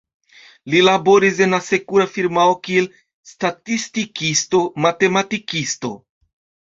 Li laboris en asekura firmao kiel statistikisto-matematikisto.